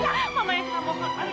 mama saya tidak mau keluar lagi